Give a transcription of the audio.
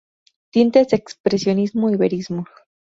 Tintes de expresionismo y verismo.